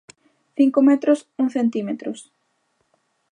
Cinco metros un centímetros.